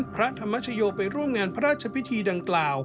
พระธรรมชโยไปร่วมงานพระราชพิธีดังกล่าว